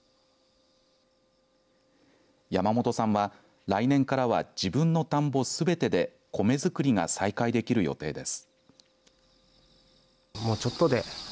山本さんは来年からは自分の田んぼすべてで米作りが再開できる予定です。